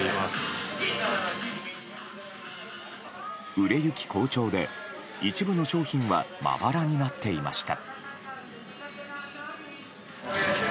売れ行き好調で一部の商品はまばらになっていました。